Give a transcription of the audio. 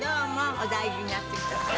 お大事になすってください。